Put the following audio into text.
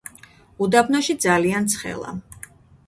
უდაბნოში ძალიან ცხელა